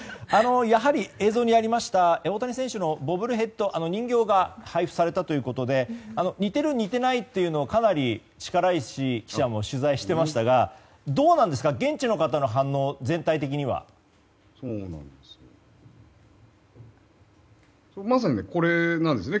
やはり映像にありました大谷選手のボブルヘッド人形が配布されたということで似てる、似てないというのをかなり力石記者も取材していましたがどうなんですか現地の方の反応、全体的には。まさにこれなんですね。